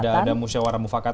tidak ada musyawara mufakatnya